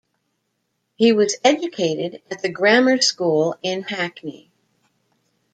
He was educated at the grammar school in Hackney.